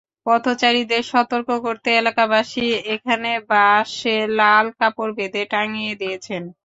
পথচারীদের সতর্ক করতে এলাকাবাসী এখানেও বাঁশে লাল কাপড় বেঁধে টাঙিয়ে দিয়েছেন।